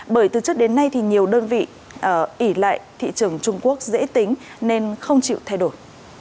bởi từ trước đến nay thì nhiều đơn vị ỉ lại thị trường trung quốc dễ tính nên không chịu thay đổi